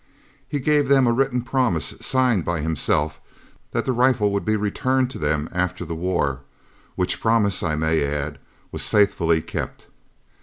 He gave them a written promise, signed by himself, that the rifle would be returned to them after the war which promise, I may add, was faithfully kept.